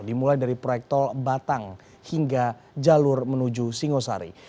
dimulai dari proyek tol batang hingga jalur menuju singosari